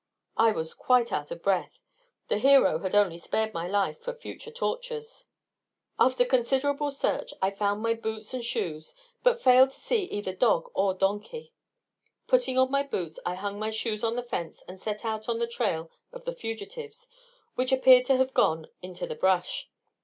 I was quite out of breath. The hero had only spared my life for future tortures. [Illustration: "I scrutinized his hat inquisitively."] After considerable search, I found boots and shoes, but failed to see either dog or donkey. Putting on my boots, I hung my shoes on the fence, and set out on the trail of the fugitives, which appeared to have gone into the brush.